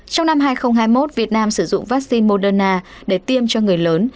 trong năm hai nghìn hai mươi một việt nam sử dụng vaccine moderna để tiêm cho người lớn